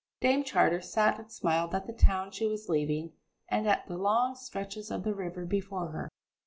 Dame Charter sat and smiled at the town she was leaving and at the long stretches of the river before her.